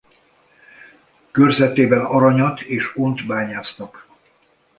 Körzetében aranyat és ónt bányásznak.